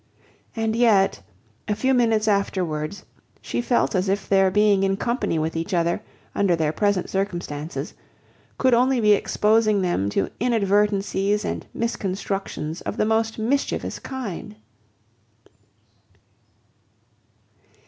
And yet, a few minutes afterwards, she felt as if their being in company with each other, under their present circumstances, could only be exposing them to inadvertencies and misconstructions of the most mischievous kind.